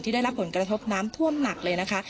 ได้รับผลกระทบน้ำท่วมหนักเลยนะคะ